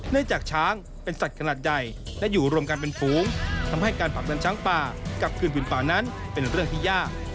จากช้างเป็นสัตว์ขนาดใหญ่และอยู่รวมกันเป็นฝูงทำให้การผลักดันช้างป่ากับคืนผืนป่านั้นเป็นเรื่องที่ยาก